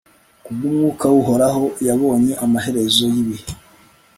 ku bw'umwuka w'uhoraho yabonye amaherezo y'ibihe